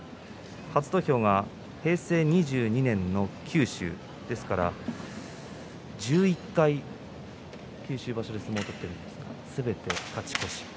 初土俵は平成２２年の九州ですから１１回、九州場所で相撲を取っているんですがすべて勝ち越し。